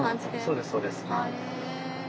そうですそうです。